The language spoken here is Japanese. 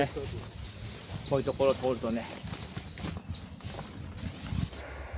こういう所を通るとね。